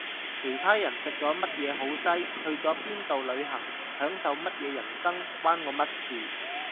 其他人食咗乜嘢好西去咗邊度旅行享受乜嘢人生關我乜事